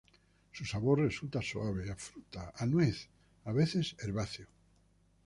Su sabor resulta suave, a fruta, a nuez, a veces herbáceo.